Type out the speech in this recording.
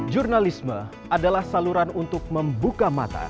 jurnalisme adalah saluran untuk membuka mata